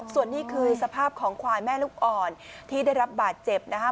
ส่วนนี้คือสภาพของควายแม่ลูกอ่อนที่ได้รับบาดเจ็บนะคะ